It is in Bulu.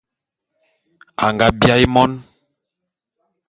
Anga biaé mon.